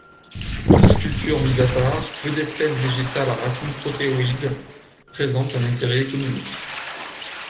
Horticulture mise à part, peu d'espèces végétales à racines protéoïdes présentent un intérêt économique.